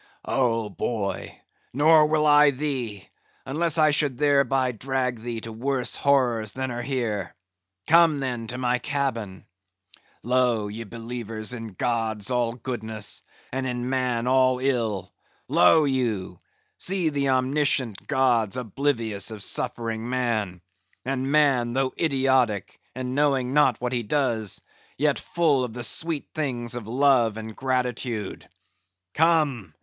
"Oh, boy, nor will I thee, unless I should thereby drag thee to worse horrors than are here. Come, then, to my cabin. Lo! ye believers in gods all goodness, and in man all ill, lo you! see the omniscient gods oblivious of suffering man; and man, though idiotic, and knowing not what he does, yet full of the sweet things of love and gratitude. Come!